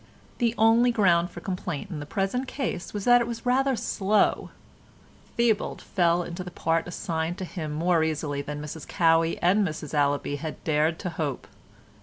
The only ground for complaint in the present case was that it was rather slow. Theobald fell into the part assigned to him more easily than Mrs Cowey and Mrs Allaby had dared to hope.